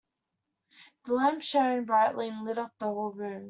The lamp shone brightly and lit up the whole room.